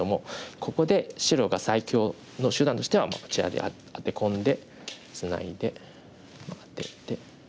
ここで白が最強の手段としてはこちらにアテ込んでツナいでアテてツナいで。